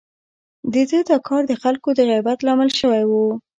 د ده دا کار د خلکو د غيبت لامل شوی و.